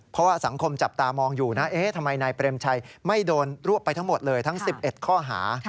เพราะว่าสังคมจับตามองอยู่นะทำไมนายเปรมชัยไม่โดนรวบไปทั้งหมดเลยทั้ง๑๑ข้อหา